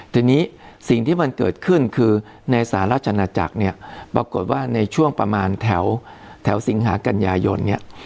ทีนี้สิ่งที่มันเกิดขึ้นคือในสหราชนาจักรเนี่ยปรากฏว่าในช่วงประมาณแถวสิงหากัญญายนเนี่ย